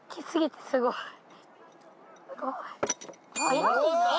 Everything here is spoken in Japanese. すごい。